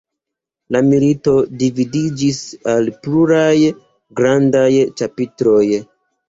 La milito dividiĝis al pluraj grandaj ĉapitroj.